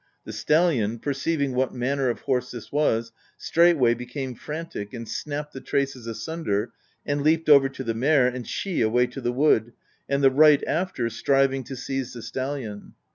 The stallion, perceiving what manner of horse this was, straightway be came frantic, and snapped the traces asunder, and leaped over to the mare, and she away to the wood, and the wright after, striving to seize the stallion.